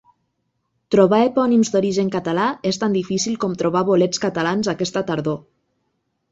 Trobar epònims d'origen català és tan difícil com trobar bolets catalans aquesta tardor.